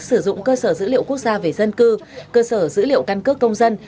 sử dụng cơ sở dữ liệu quốc gia về dân cư cơ sở dữ liệu căn cước công dân